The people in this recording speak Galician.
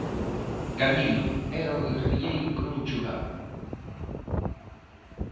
Camilo era o guerrilleiro que non choraba.